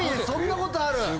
そんなことある。